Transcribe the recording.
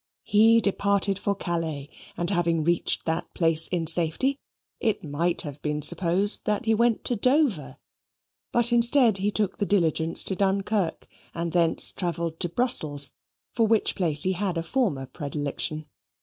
He departed for Calais, and having reached that place in safety, it might have been supposed that he went to Dover; but instead he took the diligence to Dunkirk, and thence travelled to Brussels, for which place he had a former predilection.